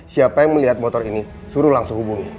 siapa yang melihat motor ini suruh langsung hubungi